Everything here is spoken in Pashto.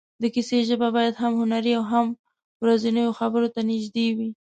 د کیسې ژبه باید هم هنري او هم ورځنیو خبرو ته نږدې وي.